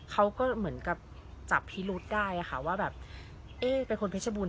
เขาก็เหมือนกับจับพิรุษได้ค่ะว่าแบบเอ๊ะเป็นคนเพชรบูร